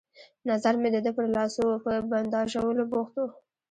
نظر مې د ده پر لاسو وو، په بنداژولو بوخت وو.